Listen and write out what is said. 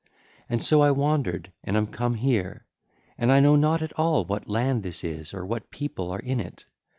And so I wandered and am come here: and I know not at all what land this is or what people are in it.